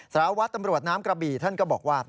สารวัตรตำรวจน้ำกระบี่ท่านก็บอกว่า